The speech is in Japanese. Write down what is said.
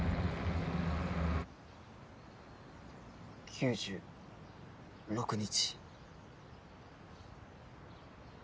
９６日。